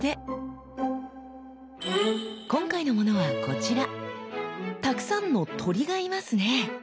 今回のものはこちらたくさんの鳥がいますね。